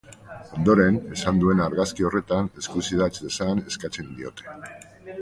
Ondoren, esan duena argazki horretan eskuz idatz dezan eskatzen diote.